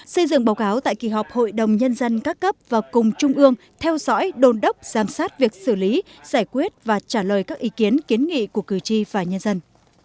xây dựng báo cáo tại kỳ họp hội đồng nhân dân các cấp và cùng trung ương theo dõi đồn đốc giám sát việc xử lý giải quyết và trả lời các ý kiến kiến nghị của cử tri và nhân dân